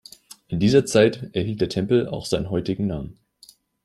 In dieser Zeit erhielt der Tempel auch seinen heutigen Namen.